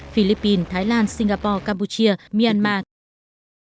philippines thái lan singapore cambodia myanmar thái lan trung quốc trung quốc trung quốc